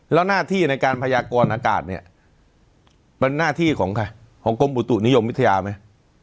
แล้วหน้าที่ในการพยากรอากาศเนี่ยมันหน้าที่ของใครของกรมอุตุนิยมวิทยาไหม